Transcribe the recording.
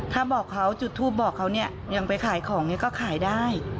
ถ้าบอกเขาจุดทูปบอกเขาเนี่ยยังไปขายของเนี่ยก็ขายได้